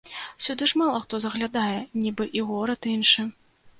Сюды ж мала хто заглядае, нібы і горад іншы.